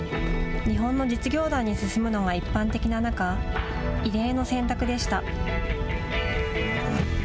日本の実業団に進むのが一般的な中異例の選択でした。